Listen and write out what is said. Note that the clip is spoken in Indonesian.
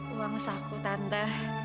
uang saku tanda